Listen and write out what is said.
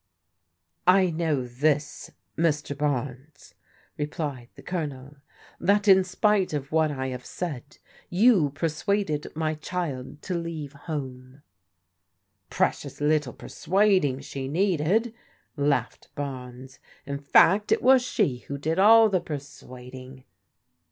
" I know this, Mr. Barnes," replied the Colonel, " that in spite of what I have said you persuaded my child to leave home. *' Precious little persuading she needed," X'aM^'^d. U I ii u 174 PRODIGAL DAUGHTERS Barnes. In fact, it was she who did all the persuad ing.